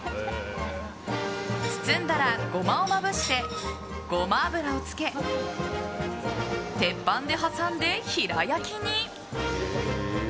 包んだらゴマをまぶしてゴマ油をつけ鉄板で挟んで平焼きに。